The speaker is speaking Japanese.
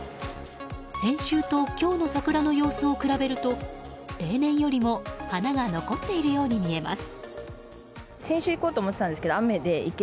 先週と今日の桜の様子を比べると例年よりも花が残っているように見えます。